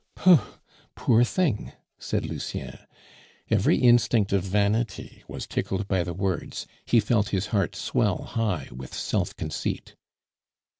"Pooh!... Poor thing!" said Lucien. Every instinct of vanity was tickled by the words; he felt his heart swell high with self conceit.